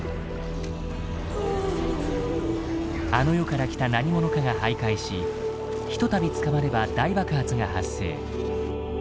あの世から来た何ものかが徘徊しひとたび捕まれば大爆発が発生。